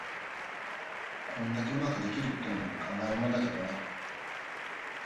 こんだけ上手くできるってのも考えものだけどね。